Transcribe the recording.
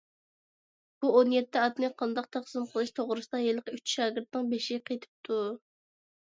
بۇ ئون يەتتە ئاتنى قانداق تەقسىم قىلىش توغرىسىدا ھېلىقى ئۈچ شاگىرتنىڭ بېشى قېتىپتۇ.